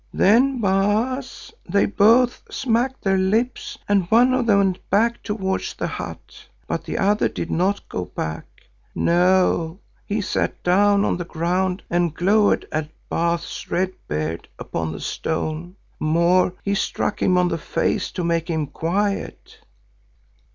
"Then, Baas, they both smacked their lips and one of them went back towards the hut. But the other did not go back. No, he sat down on the ground and glowered at Baas Red Beard upon the stone. More, he struck him on the face to make him quiet.